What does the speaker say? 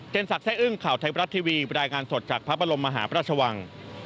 เจนสักแซ่อึ้งข่าวไทยบรัสทีวีรายงานสดจากพระบรมมหาพระราชวัง